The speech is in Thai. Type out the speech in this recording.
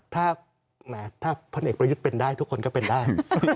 ถ้าพลเอกประยุทธ์เป็นได้ทุกคนก็เป็นได้